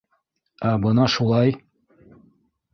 — Ә бына шулай.